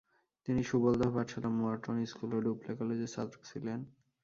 তিনি সুবলদহ পাঠশালা, Morton school ও ডুপ্লে কলেজের ছাত্র ছিলেন।